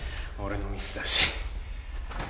俺のミスだし。